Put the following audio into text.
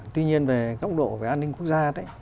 tuy nhiên về góc độ về an ninh quốc gia